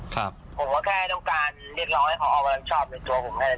ผมก็แค่ต้องการเรียกร้องให้เขาออกมารับผิดชอบในตัวผมแค่นั้น